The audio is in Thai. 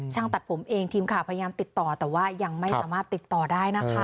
ตัดผมเองทีมข่าวพยายามติดต่อแต่ว่ายังไม่สามารถติดต่อได้นะคะ